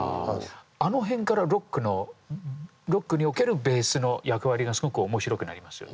あの辺からロックのロックにおけるベースの役割がすごく面白くなりますよね。